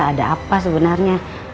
ada apa sebenarnya